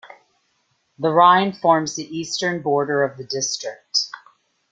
The Rhine forms the eastern border of the district.